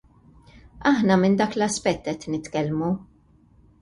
Aħna minn dak l-aspett qed nitkellmu.